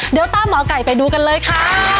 เดี๋ยวตามหมอไก่ไปดูกันเลยค่ะ